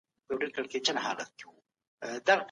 ولي خلګ يو بل نه مني؟